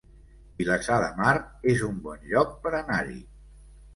Vilassar de Mar es un bon lloc per anar-hi